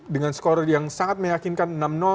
dengan skor yang sangat meyakinkan enam